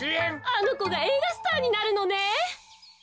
あのこがえいがスターになるのね。